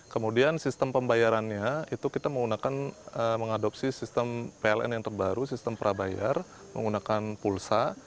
kemudian sistem pembayarannya itu kita menggunakan mengadopsi sistem pln yang terbaru sistem prabayar menggunakan pulsa